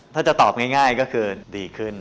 ถ้าจะตอบง่ายก็คือดีขึ้น